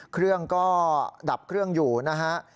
เครื่องก็ดับเครื่องอยู่นะฮะ